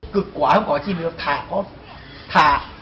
cực quá không có gì nữa thả con thả